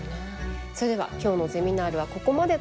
それでは今日のゼミナールはここまでとなります。